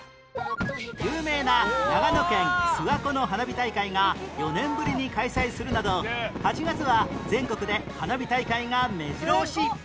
有名な長野県諏訪湖の花火大会が４年ぶりに開催するなど８月は全国で花火大会がめじろ押し